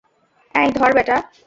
এই ধর ব্যাটা।